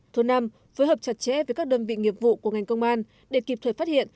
thứ năm phối hợp chặt chẽ với các đơn vị nghiệp vụ của ngành công an để kịp thời phát hiện